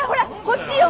こっちよ！